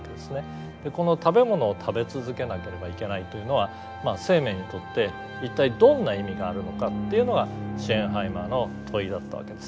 この食べ物を食べ続けなければいけないというのは生命にとって一体どんな意味があるのかっていうのがシェーンハイマーの問いだったわけです。